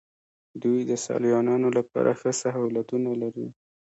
دوی د سیلانیانو لپاره ښه سهولتونه لري.